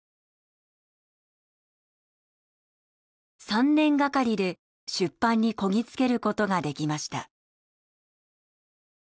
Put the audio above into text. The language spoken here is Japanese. ３年がかりで出版にこぎ着けることができました。